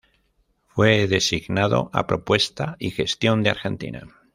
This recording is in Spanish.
Fue designado a propuesta y gestión de Argentina.